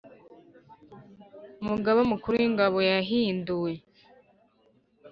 Umugaba Mukuru wingabo yahinduwe